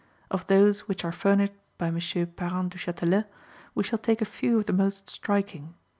Of those which are furnished by M. Parent Duchatelet, we shall take a few of the most striking.